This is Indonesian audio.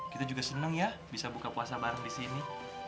kita juga seneng ya bisa buka puasa bareng disini